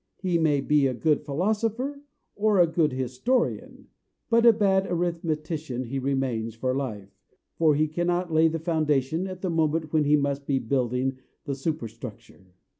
He may be a good philosopher or a good historian, but a bad arithmetician he remains for life; for he cannot lay the foundation at the moment when he must be building the superstructure.